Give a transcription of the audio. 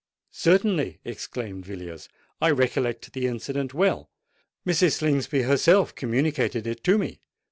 "Certainly," exclaimed Villiers. "I recollect the incident well. Mrs. Slingsby herself communicated it to me.